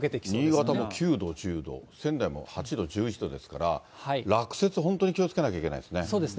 新潟も９度、１０度、仙台も８度、１１度ですから、落雪、本当に気をつけなきゃいけないですね。